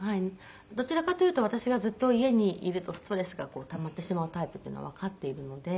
どちらかというと私がずっと家にいるとストレスがたまってしまうタイプっていうのをわかっているので。